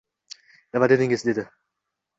Nima dedingiz? — dedi.